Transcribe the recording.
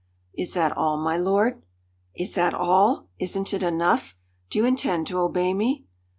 "Is that all, my lord?" "Is that all! Isn't it enough? Do you intend to obey me?"